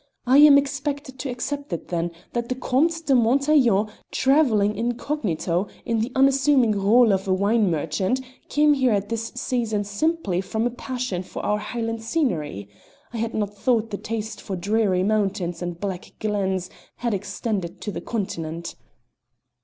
I am expected to accept it, then, that the Comte de Mont aiglon, travelling incognito in the unassuming rôle of a wine merchant, came here at this season simply from a passion for our Highland scenery. I had not thought the taste for dreary mountains and black glens had extended to the Continent."